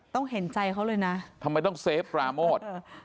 เห็นใจเขาเลยนะทำไมต้องเซฟปราโมท